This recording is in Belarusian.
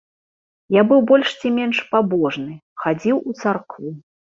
Я быў больш ці менш пабожны, хадзіў у царкву.